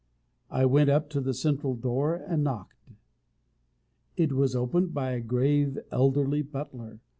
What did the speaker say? I went up to the central door and knocked. It was opened by a grave, elderly butler.